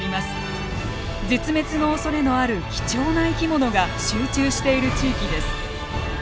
絶滅のおそれのある貴重な生き物が集中している地域です。